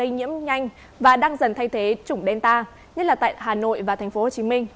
nhiễm nhanh và đang dần thay thế chủng delta nhất là tại hà nội và tp hcm